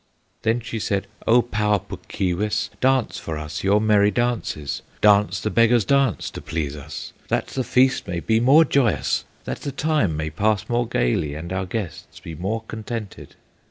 Then she said, "O Pau Puk Keewis, Dance for us your merry dances, Dance the Beggar's Dance to please us, That the feast may be more joyous, That the time may pass more gayly, And our guests be more contented!"